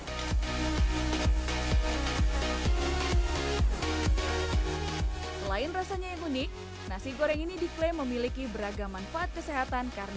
selain rasanya yang unik nasi goreng ini diklaim memiliki beragam manfaat kesehatan karena